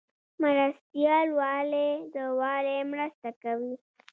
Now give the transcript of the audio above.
مرستیال والی د والی مرسته کوي